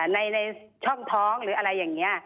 ในช่องท้องหรืออะไรอย่างนี้